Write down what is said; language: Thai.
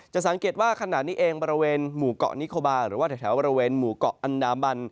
สังเกตว่าขณะนี้เองบริเวณหมู่เกาะนิโคบาหรือว่าแถวบริเวณหมู่เกาะอันดามัน